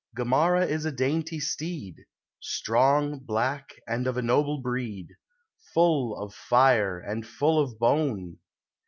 Gamarra is a dainty steed, Strong, black, and of B noble breed, Full of fire, and full of bone.